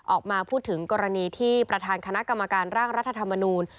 ออกมาพูดถึงกรณีที่ประธานคณะกรรมการร่างรัฐธรรมนูล